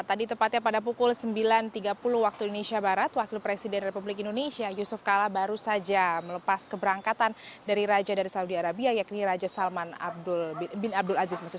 tadi tepatnya pada pukul sembilan tiga puluh waktu indonesia barat wakil presiden republik indonesia yusuf kala baru saja melepas keberangkatan dari raja dari saudi arabia yakni raja salman bin abdul aziz